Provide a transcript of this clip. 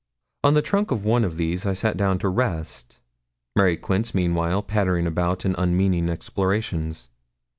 On the trunk of one of these I sat down to rest, Mary Quince meanwhile pattering about in unmeaning explorations.